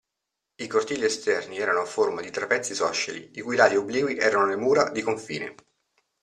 I cortili esterni erano a forma di trapezi isosceli, i cui lati obliqui erano le mura di confine.